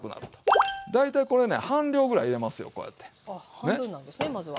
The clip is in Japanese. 半分なんですねまずは。